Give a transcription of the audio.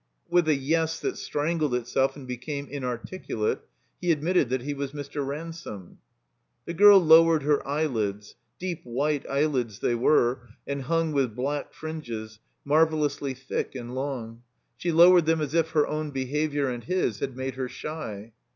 With ^ Yes" that strangled itself and became in articulate, he admitted that he was Mr. Ransome. The girl lowered her eyelids (deep white eyelids they were, and htmg with black fringes, marvelously thick and long); she lowered them as if her own behavior and his had made her shy.